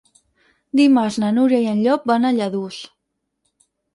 Dimarts na Núria i en Llop van a Lladurs.